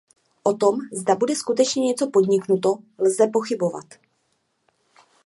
O tom, zda bude skutečně něco podniknuto, lze pochybovat.